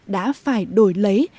đã phải đổi lấy